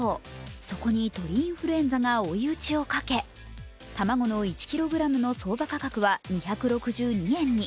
そこに鳥インフルエンザが追い打ちをかけ卵の１ｋｇの相場価格は２６２円に。